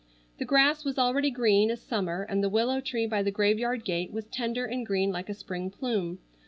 The grass was already green as summer and the willow tree by the graveyard gate was tender and green like a spring plume.